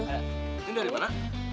ini dari mana